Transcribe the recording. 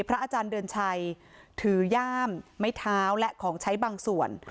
อาจารย์เดือนชัยถือย่ามไม้เท้าและของใช้บางส่วน